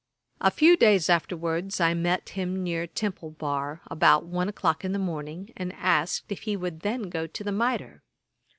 A few days afterwards I met him near Temple bar, about one o'clock in the morning, and asked if he would then go to the Mitre.